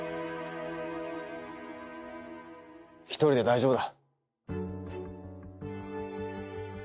一人で大丈夫だ。